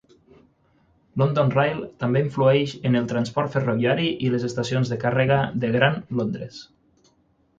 London Rail també influeix en el transport ferroviari i les estacions de càrrega de Gran Londres.